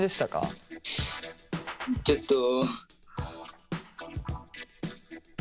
ちょっと。